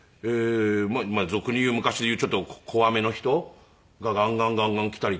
俗に言う昔で言うちょっと怖めの人がガンガンガンガン来たりとか。